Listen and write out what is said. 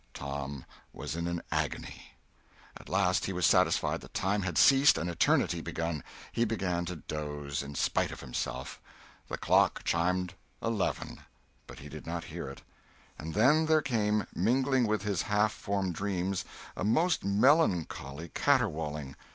Tom was in an agony. At last he was satisfied that time had ceased and eternity begun; he began to doze, in spite of himself; the clock chimed eleven, but he did not hear it. And then there came, mingling with his half formed dreams, a most melancholy caterwauling.